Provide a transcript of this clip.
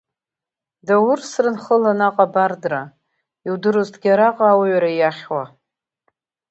Даурсрын хыла наҟ абардра, иудыруазҭгьы араҟа ауаҩра иахьуа.